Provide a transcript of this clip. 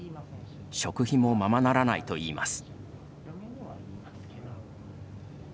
食費もままならないといいます。